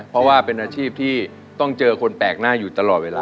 เพราะว่าเป็นอาชีพที่ต้องเจอคนแปลกหน้าอยู่ตลอดเวลา